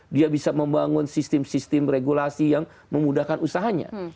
dia bisa membangun sistem sistem regulasi yang memudahkan usahanya